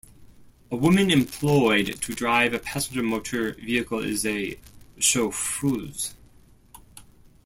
A woman employed to drive a passenger motor vehicle is a chauffeuse.